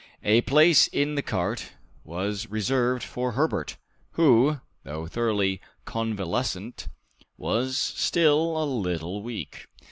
A place in the cart was reserved for Herbert, who, though thoroughly convalescent, was still a little weak.